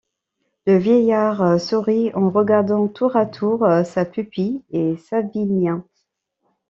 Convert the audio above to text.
Le vieillard sourit en regardant tour à tour sa pupille et Savinien.